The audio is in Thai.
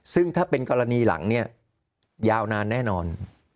ซึ่งถ้าเป็นกรณีหลังเนี่ยยาวนานแน่นอน